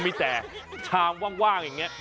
มีแต่ชามว่างอย่างนี้